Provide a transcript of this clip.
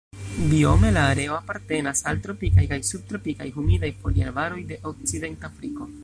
Biome la areo apartenas al tropikaj kaj subtropikaj humidaj foliarbaroj de Okcidentafriko.